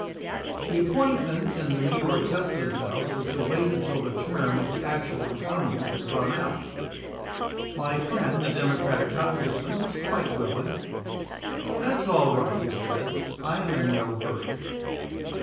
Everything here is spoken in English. The appointment in the New York Custom House was to wait until the term of the actual incumbent had run out. My friend, the Democratic congressman, was quite willing. "That's all right," he said; "I am in no hurry."